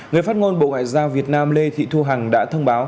người phát ngôn bộ ngoại giao việt nam lê thị thu hằng đã thông báo